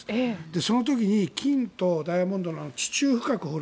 その時に金とダイヤモンドの地中深く掘る。